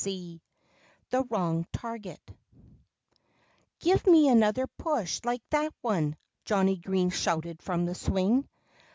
XIX THE WRONG TARGET "Give me another push like that one!" Johnnie Green shouted from the swing.